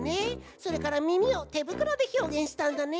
それからみみをてぶくろでひょうげんしたんだね。